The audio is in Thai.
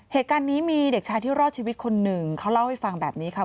เหตุการณ์นี้มีเด็กชายที่รอดชีวิตคนหนึ่งเขาเล่าให้ฟังแบบนี้ค่ะ